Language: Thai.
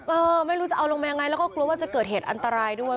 เออไม่รู้จะเอาลงมายังไงแล้วก็กลัวว่าจะเกิดเหตุอันตรายด้วย